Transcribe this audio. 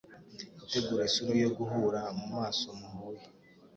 Gutegura isura yo guhura mumaso muhuye;